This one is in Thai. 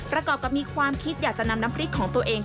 ประกอบกับมีความคิดอยากจะนำน้ำพริกของตัวเอง